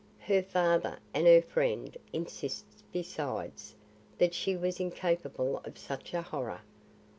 Her father and her friend insist besides, that she was incapable of such a horror.